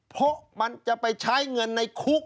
เพราะมันจะไปใช้เงินในคุก